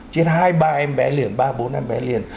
chết hai ba em bé liền ba bốn em bé liền